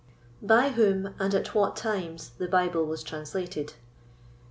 By whom and at what Times the Bible was translated.